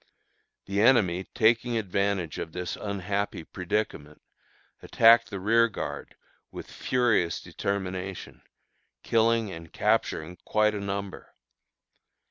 The enemy, taking advantage of this unhappy predicament, attacked the rearguard with furious determination, killing and capturing quite a number.